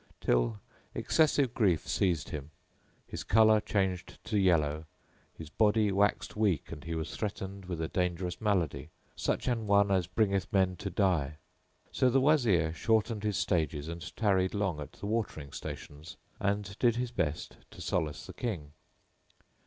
till excessive grief seized him, his colour changed to yellow, his body waxed weak and he was threatened with a dangerous malady, such an one as bringeth men to die. So the Wazir shortened his stages and tarried long at the watering stations and did his best to solace the King.